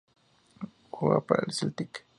Jugaba para el Celtic.